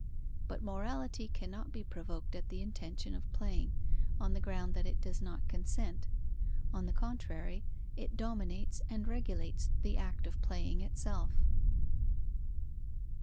But morality cannot be provoked at the intention of playing, on the ground that it does not consent; on the contrary, it dominates and regulates the act of playing itself.